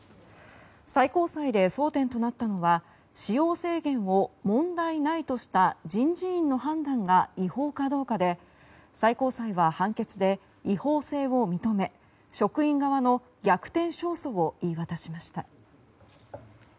最高裁で争点となったのは使用制限を問題ないとした人事院の判断が違法かどうかで最高裁は判決で違法性を認め職員側の逆転勝訴も言い渡しました。